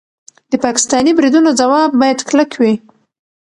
د پاکستاني بریدونو ځواب باید کلک وي.